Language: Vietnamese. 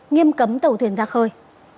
nghiêm cấm tàu thuyền ra khơi